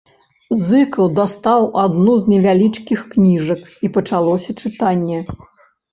Зыкаў дастаў адну з невялічкіх кніжак, і пачалося чытанне.